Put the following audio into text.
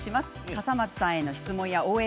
笠松さんへの質問や応援